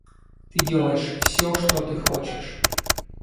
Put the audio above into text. Ты делаешь все, что ты хочешь.